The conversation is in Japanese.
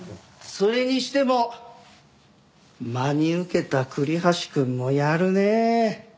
それにしても真に受けた栗橋くんもやるねえ。